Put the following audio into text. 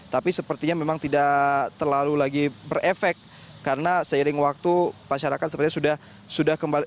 tapi sepertinya memang tidak terlalu lagi berefek karena seiring waktu masyarakat sepertinya sudah kembali